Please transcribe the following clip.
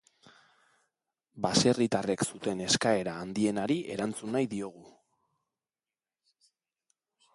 Baserritarrek zuten eskaera handienari erantzun nahi diogu.